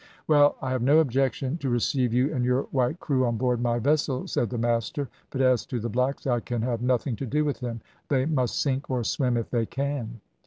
"`Well, I have no objection to receive you and your white crew on board my vessel,' said the master, `but as to the blacks, I can have nothing to do with them, they must sink or swim if they can.'